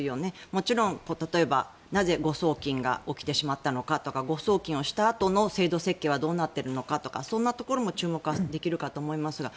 もちろん例えば、なぜ誤送金が起きてしまったのかとか誤送金をしたあとに制度設計はどうなっているかなどそんなところも注目はできるかと思いますが。